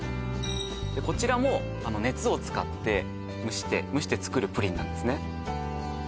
こちらも熱を使って蒸して蒸して作るプリンなんですね